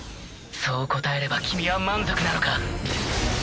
そう答えれば君は満足なのか？